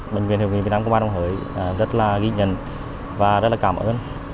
bệnh viện hội nghị việt nam cuba đồng hới rất là ghi nhận và rất là cảm ơn